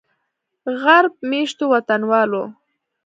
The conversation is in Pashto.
غرب میشتو وطنوالو